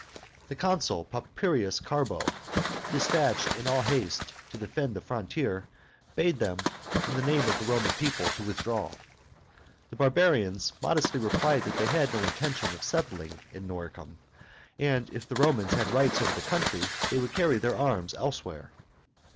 The consul Papirius Carbo, despatched in all haste to defend the frontier, bade them, in the name of the Roman people, to withdraw. The barbarians modestly replied that they had no intention of settling in Noricum, and if the Romans had rights over the country, they would carry their arms elsewhere.